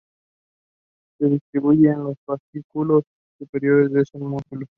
Se distribuye en los fascículos superiores de ese músculo.